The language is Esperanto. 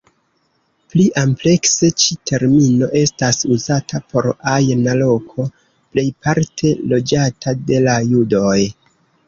Pli amplekse ĉi termino estas uzata por ajna loko plejparte loĝata de la judoj.